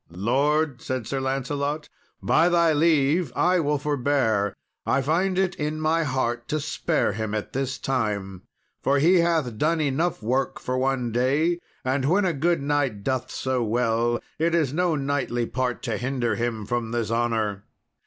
"Lord," said Sir Lancelot, "by thy leave I will forbear. I find it in my heart to spare him at this time, for he hath done enough work for one day; and when a good knight doth so well it is no knightly part to hinder him from this honour.